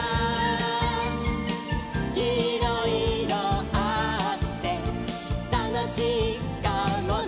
「いろいろあってたのしいかもね」